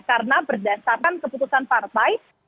karena berdasarkan keputusan partai